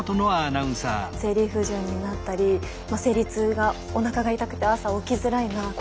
生理不順になったり生理痛がおなかが痛くて朝起きづらいな。